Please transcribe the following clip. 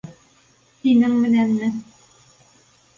Һинең менәнме?